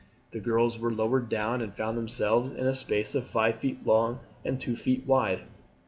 The girls were lowered down and found themselves in a space of five feet long and two feet wide.